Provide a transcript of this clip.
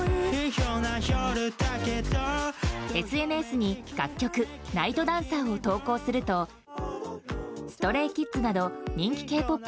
ＳＮＳに楽曲「ＮＩＧＨＴＤＡＮＣＥＲ」を投稿するとＳｔｒａｙＫｉｄｓなど人気Ｋ‐ＰＯＰ